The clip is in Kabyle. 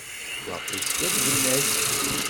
Waqil skaddben-ak-d.